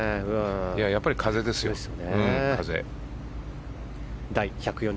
やっぱり風ですよ。